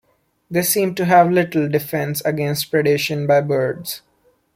They seem to have little defence against predation by birds.